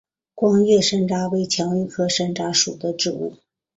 光叶山楂为蔷薇科山楂属的植物。